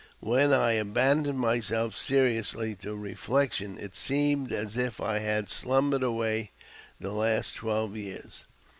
When I abandoned myself seriously to reflection, it seemed as if I had slumbered away the last twelve years.